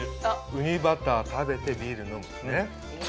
ウニバター食べてビール飲むね。